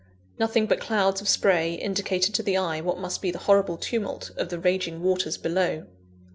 Nothing but clouds of spray indicated to the eye, what must be the horrible tumult of the raging waters below.